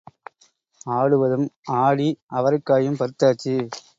ஆடுவதும் ஆடி அவரைக் காயும் பறித்தாச்சு.